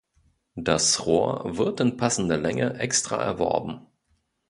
Das Rohr wird in passender Länge extra erworben.